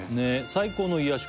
最高の癒やし